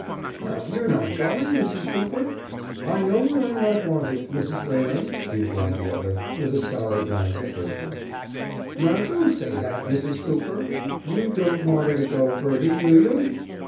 "Now you're not going, Mrs. Cooper?" "I know where I'm not wanted, Mrs. Railing," replied the other, with a sour glance at Bertram. "Now don't say that, Mrs. Cooper. You don't want 'er to go, Bertie, do you?"